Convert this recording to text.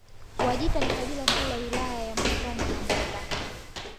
Wajita ni kabila kuu la Wilaya ya Musoma na Bunda